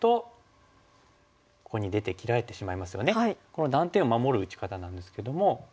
この断点を守る打ち方なんですけども。